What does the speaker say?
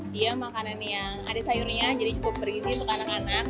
dia makanan yang ada sayurnya jadi cukup berisi untuk anak anak